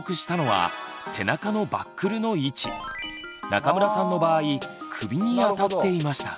中村さんの場合首に当たっていました。